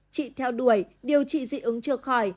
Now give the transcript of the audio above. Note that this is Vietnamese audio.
chị theo đuổi điều trị dị ứng chưa khỏi